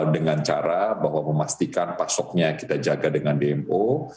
dengan cara bahwa memastikan pasoknya kita jaga dengan dmo